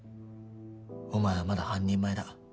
お前はまだ半人前だ